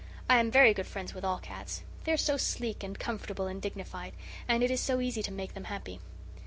I am very good friends with all cats. They are so sleek and comfortable and dignified. And it is so easy to make them happy.